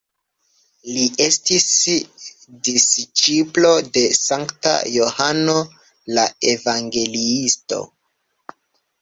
Li estis disĉiplo de Sankta Johano la Evangeliisto.